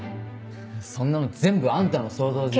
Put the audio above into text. そんなの全部あんたの想像でしか。